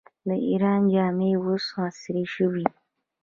د ایران جامې اوس عصري شوي.